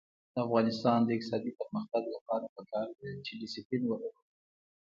د افغانستان د اقتصادي پرمختګ لپاره پکار ده چې دسپلین ولرو.